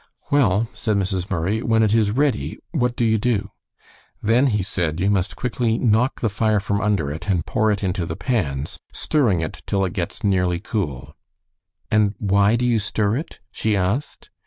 "Well," said Mrs. Murray, "when it is ready what do you do?" "Then," he said, "you must quickly knock the fire from under it, and pour it into the pans, stirring it till it gets nearly cool." "And why do you stir it?" she asked.